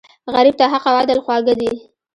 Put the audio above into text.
غریب ته حق او عدل خواږه دي